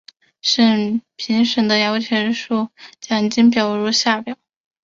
评审的摇钱树奖金表如下表。